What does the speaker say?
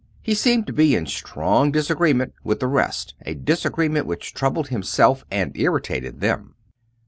He seemed to be in strong disagreement with the rest a disagreement which troubled himself and irritated them.